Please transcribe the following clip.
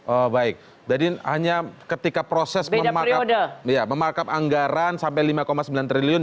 oh baik jadi hanya ketika proses memarkup anggaran sampai lima sembilan triliun